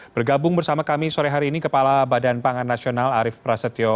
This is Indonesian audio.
bergabung bersama kami sore hari ini kepala badan pangan nasional arief prasetyo